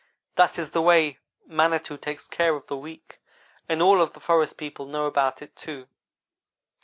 That is the way Manitou takes care of the weak, and all of the forest people know about it, too.